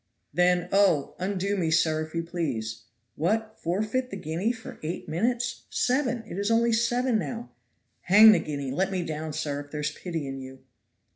"Then, oh! undo me, sir, if you please." "What! forfeit the guinea for eight minutes seven, it is only seven now." "Hang the guinea, let me down, sir, if there's pity in you."